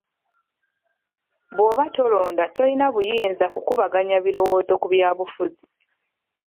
Bw'oba tolonda tolina buyinza kukubaganya birowoozo ku byabufuzi.